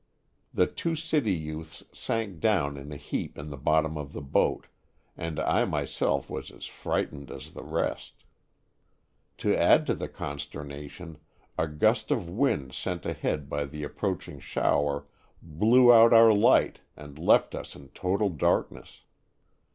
The two city youths sank down in a heap in the bottom of the boat and I myself was as frightened as the rest. To add to the consternation, a gust of wind sent ahead by the approaching shower blew out our light and left us in total darkness.